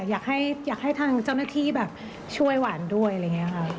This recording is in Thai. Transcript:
อยากให้ทางเจ้าหน้าที่แบบช่วยหวานด้วยอะไรอย่างนี้ค่ะ